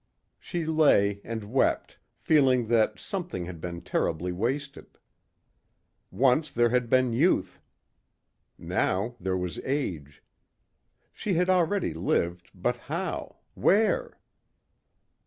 She lay and wept, feeling that something had been terribly wasted. Once there had been youth. Now there was age. She had already lived but how, where?